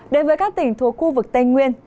đối với các tỉnh thuộc khu vực tây nguyên